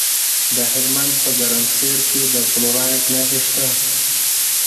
د هلمند په ګرمسیر کې د فلورایټ نښې شته.